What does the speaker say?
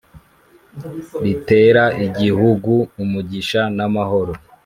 ritera igihugu umugisha namahoro